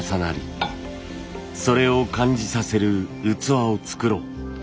それを感じさせる器を作ろう。